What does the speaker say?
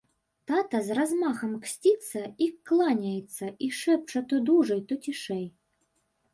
Тата з размахам ксціцца, і кланяецца, і шэпча то дужэй, то цішэй.